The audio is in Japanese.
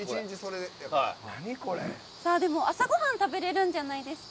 でも朝ごはん食べられるんじゃないですか